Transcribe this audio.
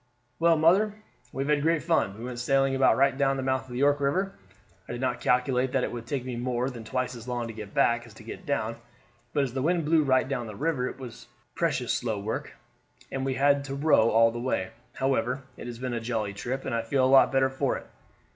"Well, mother, we have had great fun. We went sailing about right down to the mouth of the York River. I did not calculate that it would take me more than twice as long to get back as to get down; but as the wind blew right down the river it was precious slow work, and we had to row all the way. However, it has been a jolly trip, and I feel a lot better for it."